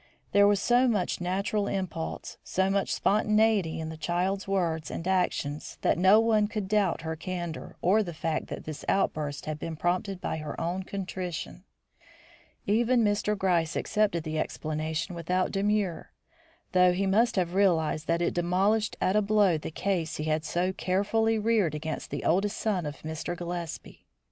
There was so much natural impulse, so much spontaneity in the child's words and actions, that no one could doubt her candour or the fact that this outburst had been prompted by her own contrition. Even Mr. Gryce accepted the explanation without demur, though he must have realised that it demolished at a blow the case he had so carefully reared against the oldest son of Mr. Gillespie.